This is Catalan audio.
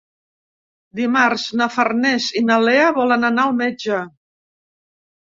Dimarts na Farners i na Lea volen anar al metge.